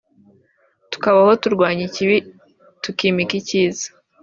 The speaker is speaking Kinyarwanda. tukabaho turwanya ikibi tukimika icyiza